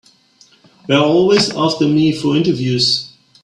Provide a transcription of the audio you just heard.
They're always after me for interviews.